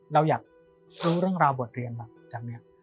เราอยากรู้เรื่องราวบทเรียนมาจากนี้